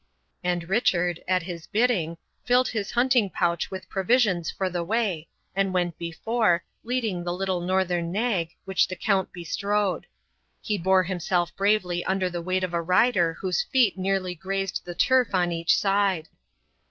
And Richard, at his bidding, filled his hunting pouch with provisions for the way, and went before, leading the little Northern nag, which the Count bestrode. He bore himself bravely under the weight of a rider whose feet nearly grazed the turf on each side.